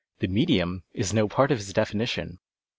The medium is no part of his definition.